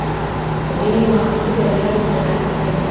ځيني موقتي بریاوي ترلاسه سوې